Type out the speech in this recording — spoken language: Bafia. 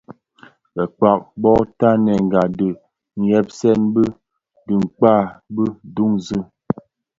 Bekpag bo tanenga di nhyesen bi dhikpaň bi duńzi.